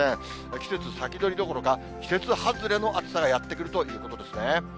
季節先取りどころか、季節外れの暑さがやって来るということですね。